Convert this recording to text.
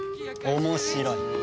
面白い！